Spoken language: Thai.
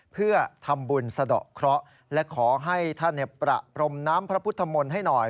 เพื่อทำบุญสะดอกเคราะห์และขอให้ท่านประพรมน้ำพระพุทธมนต์ให้หน่อย